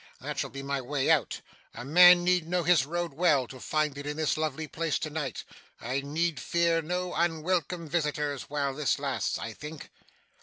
That shall be my way out. A man need know his road well, to find it in this lovely place to night. I need fear no unwelcome visitors while this lasts, I think.